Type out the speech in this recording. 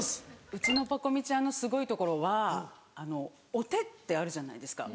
うちのパコ美ちゃんのすごいところは「お手」ってあるじゃないですか。